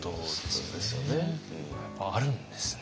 やっぱあるんですね。